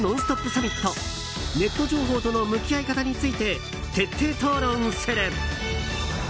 サミットネット情報との向き合い方について徹底討論する。